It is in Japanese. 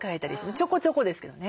ちょこちょこですけどね。